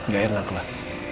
gak enak lah